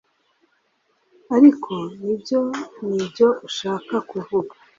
Ariko nibyo nibyo ushaka kuvuga